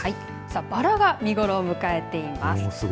バラが見頃を迎えています。